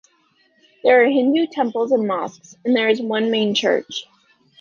There are Hindu temples and mosques and there is one main church.